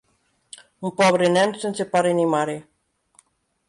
Un pobre nen sense pare ni mare.